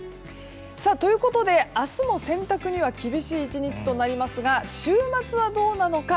ということで明日も洗濯には厳しい１日となりますが週末はどうなのか。